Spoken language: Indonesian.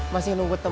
masih nunggu temen